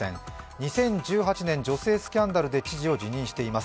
２０１８年、女性スキャンダルで知事を辞任しています。